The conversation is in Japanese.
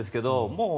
もう